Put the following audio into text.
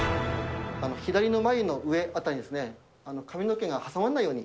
左の眉の上辺りに髪の毛が挟まらないように。